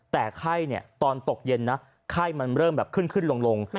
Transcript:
แต่ไข้ตอนตกเย็นนะไข้มันเริ่มแบบขึ้นขึ้นลง